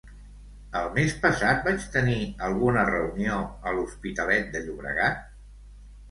El mes passat vaig tenir alguna reunió a l'Hospitalet de Llobregat?